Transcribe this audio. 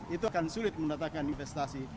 itu akan sulit mendatangkan investasi